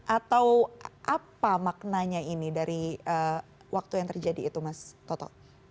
atau apa maknanya ini dari waktu yang terjadi itu mas toto